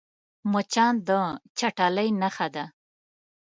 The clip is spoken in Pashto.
مچان د چټلۍ نښه ده